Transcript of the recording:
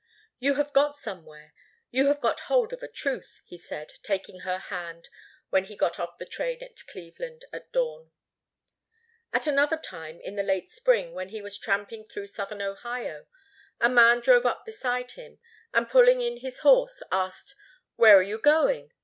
"You have got somewhere. You have got hold of a truth," he said, taking her hand when he got off the train at Cleveland, at dawn. At another time, in the late spring, when he was tramping through southern Ohio, a man drove up beside him, and pulling in his horse, asked, "Where are you going?"